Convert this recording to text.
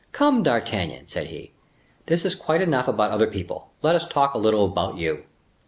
"Come, D'Artagnan," said he; "this is quite enough about other people, let us talk a little about you."